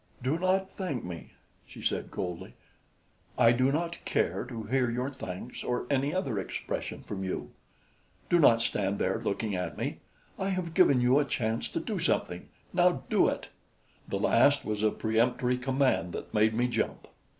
"Do not thank me," she said coldly. "I do not care to hear your thanks or any other expression from you. Do not stand there looking at me. I have given you a chance to do something now do it!" The last was a peremptory command that made me jump.